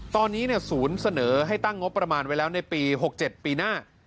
ตอนนี้ศูนย์เสนอให้ตั้งงบประมาณไว้แล้วในปี๖๗ปีหน้า